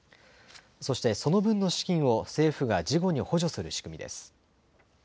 そしてその分の資金を政府が事後に補助する仕組みです。